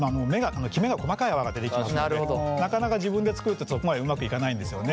きめが細かい泡が出てきますのでなかなか自分で作るとそこまでうまくいかないんですよね。